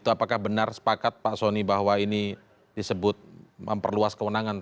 apakah benar sepakat pak soni bahwa ini disebut memperluas kewenangan